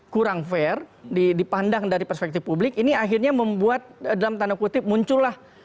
kurang fair dipandang dari perspektif publik ini akhirnya membuat dalam tanda kutip muncullah